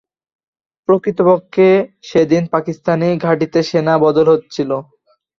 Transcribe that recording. প্রকৃতপক্ষে সেদিন পাকিস্তানি ঘাঁটিতে সেনা বদল হচ্ছিল।